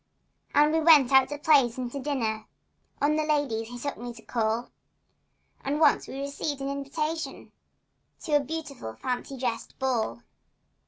And we went out to plays and to dinners— On the ladies he took me to call— And once we received invitations To a beautiful fancy dress ball.